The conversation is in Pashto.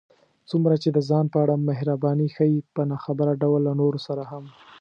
څومره چې د ځان په اړه محرباني ښيې، په ناخبره ډول له نورو سره هم